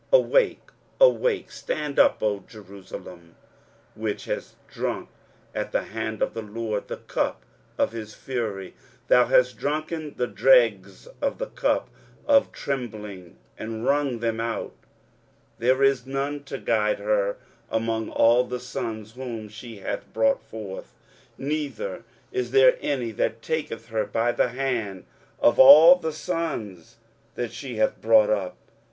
23:051:017 Awake, awake, stand up, O Jerusalem, which hast drunk at the hand of the LORD the cup of his fury; thou hast drunken the dregs of the cup of trembling, and wrung them out. 23:051:018 There is none to guide her among all the sons whom she hath brought forth; neither is there any that taketh her by the hand of all the sons that she hath brought up.